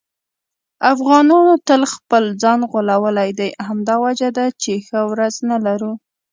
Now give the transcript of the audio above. افغانانو تل خپل ځان غولولی دی. همدا وجه ده چې ښه ورځ نه لرو.